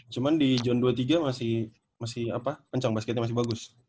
cuman di john dua puluh tiga masih kencang basketnya masih bagus